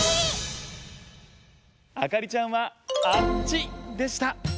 あかりちゃんはあっちでした！